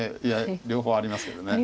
いや両方ありますけど。